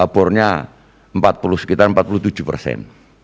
bornya sekitar empat puluh tujuh persen